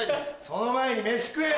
その前に飯食え。